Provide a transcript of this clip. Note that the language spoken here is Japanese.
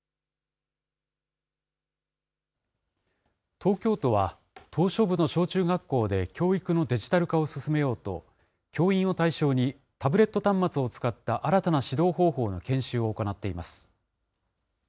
東京都は、島しょ部の小中学校で教育のデジタル化を進めようと、教員を対象に、タブレット端末を使った新たな指導方法の研修を行っています。